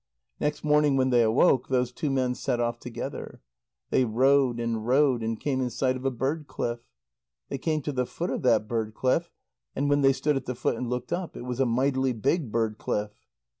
Next morning when they awoke, those two men set off together. They rowed and rowed and came in sight of a bird cliff. They came to the foot of that bird cliff, and when they stood at the foot and looked up, it was a mightily big bird cliff.